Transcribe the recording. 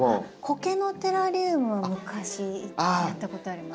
コケのテラリウムは昔やったことあります。